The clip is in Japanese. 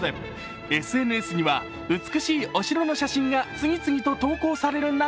ＳＮＳには美しいお城の写真が次々と投稿される